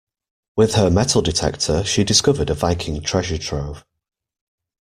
With her metal detector she discovered a Viking treasure trove.